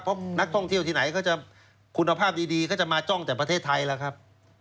เพราะนักท่องเที่ยวที่ไหนก็จะคุณภาพดีเขาจะมาจ้องแต่ประเทศไทยแล้วครับ